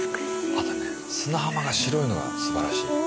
あとね砂浜が白いのがすばらしい。